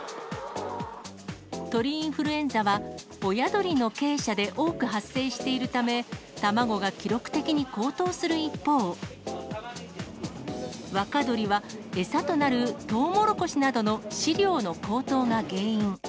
鳥インフルエンザは親鶏の鶏舎で多く発生しているため、卵が記録的に高騰する一方、若鶏は餌となるトウモロコシなどの飼料の高騰が原因。